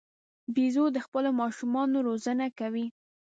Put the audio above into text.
بیزو د خپلو ماشومانو روزنه کوي.